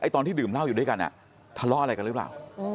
ตอนที่ดื่มเหล้าอยู่ด้วยกันทะเลาะอะไรกันหรือเปล่า